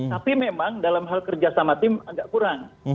tapi memang dalam hal kerja sama tim agak kurang